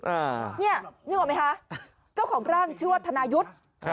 อ่าเนี่ยนึกออกไหมคะเจ้าของร่างชื่อว่าธนายุทธ์